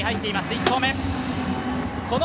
１投目。